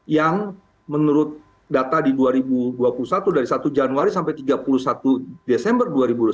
yang menurut data di dua ribu dua puluh satu dari satu januari sampai tiga puluh satu desember dua ribu dua puluh satu